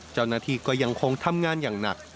เจ้าหน้าที่ก็ยังคงทำงานอย่างหนัก